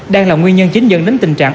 đang là nguyên nhân chính dẫn đến tình trạng